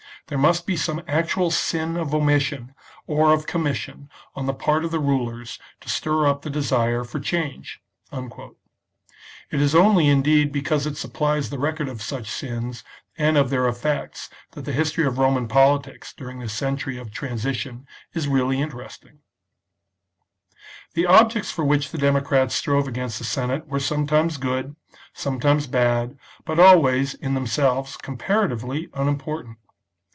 There must be some actual sin of omission or of commission on the part of the rulers to stir up the desire for change." It is only, indeed, because it supplies the record of such sins and of their effects that the history of Roman politics during this century of transition is really interesting. * Introduction to the Study of English History, p. 176. if xviii INTRODUCTION TO THE The objects for which the democrats strove against the Senate were sometimes good, sometimes bad, but always, in themselves, comparatively unimportant.